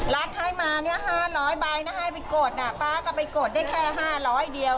รัฐให้มาเนี่ย๕๐๐ใบนะให้ไปกดน่ะป๊าก็ไปกดได้แค่๕๐๐เดียว